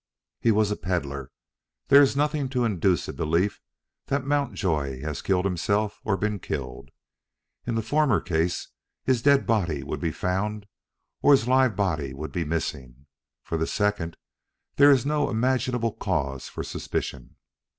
"He was a peddler. There is nothing to induce a belief that Mountjoy has killed himself or been killed. In the former case his dead body would be found or his live body would be missing. For the second there is no imaginable cause for suspicion."